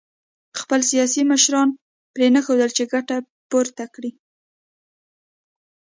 خپل سیاسي مشران پرېنښودل چې ګټه پورته کړي